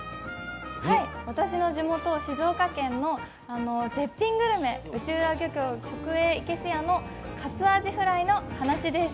私の地元、静岡県の絶品グルメ、内浦漁港直営いけすやの活あじふらいの話です。